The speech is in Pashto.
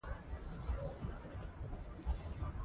احمدشاه بابا به د دین او دنیا توازن ساته.